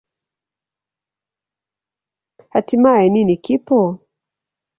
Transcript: Hatimaye, nini kipo?